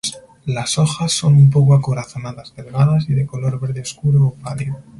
Las hojas son un poco acorazonadas delgadas y de color verde oscuro o pálido.